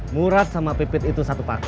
murat sama pipit itu satu paket